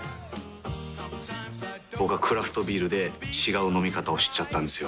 僕はクラフトビールで違う飲み方を知っちゃったんですよ。